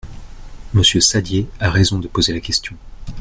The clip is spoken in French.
Monsieur Saddier a raison de poser la question.